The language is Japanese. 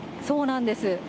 そうなんです。